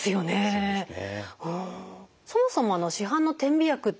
そうですね